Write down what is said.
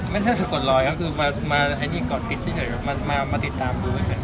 ไม่ใช่สะกดลอยครับคือมาอันนี้ก่อนติดเฉยมาติดตามดูไม่ใช่ครับ